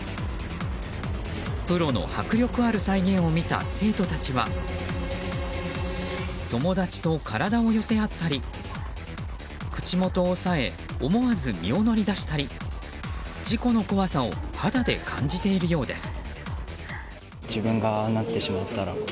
プロの迫力ある再現を見た生徒たちは友達と体を寄せ合ったり口元を押さえ思わず身を乗り出したり事故の怖さを肌で感じているようです。